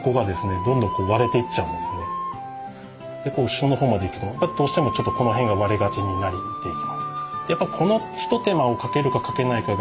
下のほうまでいくとどうしてもちょっとこの辺が割れがちになっていきます。